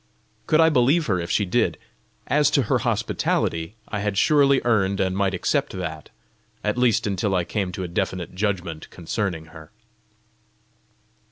Could I believe her if she did? As to her hospitality, I had surely earned and might accept that at least until I came to a definite judgment concerning her!